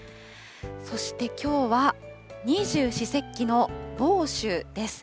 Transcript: そしてきょうは二十四節気の芒種です。